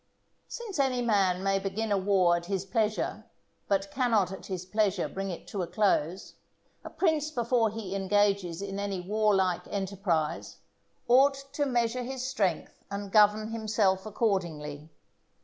Since any man may begin a war at his pleasure, but cannot at his pleasure bring it to a close, a prince before he engages in any warlike enterprise ought to measure his strength and govern himself accordingly.